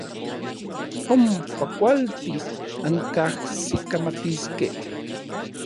Ompa kualtis ankajsikamatiskej.